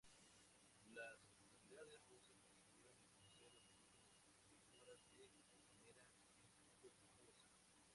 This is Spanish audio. Las unidades rusas persiguieron el crucero enemigo durante seis horas de manera infructuosa.